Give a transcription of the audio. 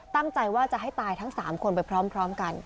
ตั้งใจว่าจะให้ตายทั้ง๓คนไปพร้อมกัน